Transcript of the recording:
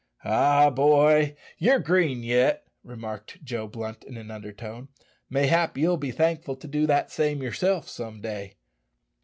"Ah, boy! you're green yet," remarked Joe Blunt in an undertone. "Mayhap ye'll be thankful to do that same yerself some day."